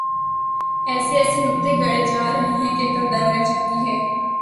ایسے ایسے نکتے گھڑے جا رہے ہیں کہ عقل دنگ رہ جاتی ہے۔